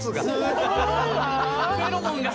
すごいわ。